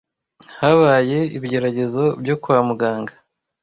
habaye ibigeragezo byo kwa muganga